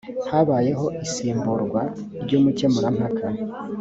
habayeho isimburwa ry umukemurampaka